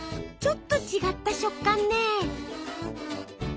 ちょっと違った食感ね。